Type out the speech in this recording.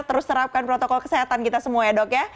terus terapkan protokol kesehatan kita semua ya dok ya